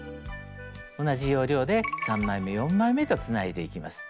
同じ要領で３枚め４枚めとつないでいきます。